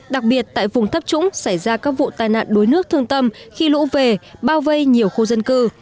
đặc biệt tại vùng thấp trũng xảy ra các vụ tai nạn đuối nước thương tâm khi lũ về bao vây nhiều khu dân cư